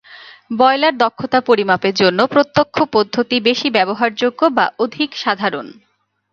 Boiler দক্ষতা পরিমাপের জন্য প্রত্যক্ষ পদ্ধতি বেশি ব্যবহারযোগ্য বা অধিক সাধারণ।